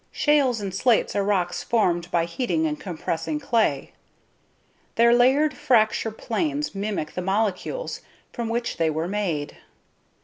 Shales and slates are rocks formed by heating and compressing clay. Their layered fracture planes mimic the molecules from which they were made.